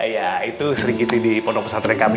ya itu sering itu di pondok pesantren kami